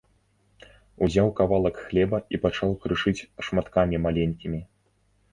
Узяў кавалак хлеба і пачаў крышыць шматкамі маленькімі.